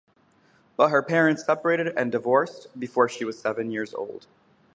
But her parents separated and divorced before she was seven years old.